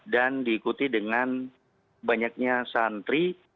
dan diikuti dengan banyaknya santri